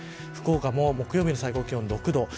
福岡も木曜日の最高気温６度。